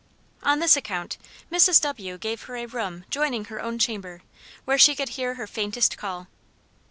On this account Mrs. W. gave her a room joining her own chamber, where she could hear her faintest call.